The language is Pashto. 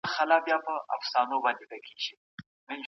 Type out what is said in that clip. خپلو هیلو ته د رسیدو لپاره هڅه وکړئ.